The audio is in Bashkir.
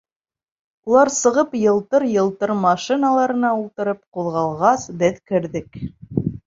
Улар сығып, йылтыр-йылтыр машиналарына ултырып ҡуҙғалғас, беҙ керҙек.